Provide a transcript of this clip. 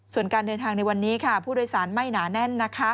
ส่วนการเดินทางในวันนี้ผู้โดยสารไม่หนาแน่นนะคะ